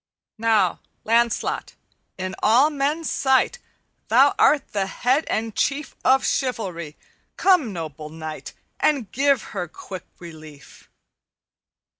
"'Now, Lancelot, in all men's sight Thou art the head and chief Of chivalry. Come, noble knight, And give her quick relief.'